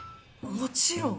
もちろん。